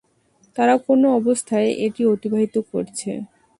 তারা কোন অবস্থায় দিন অতিবাহিত করছে?